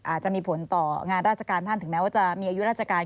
อาจจะมีผลต่องานราชการท่านถึงแม้ว่าจะมีอายุราชการ